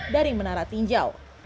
dari menara tinjau